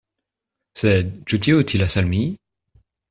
Sed ĉu tio utilis al mi?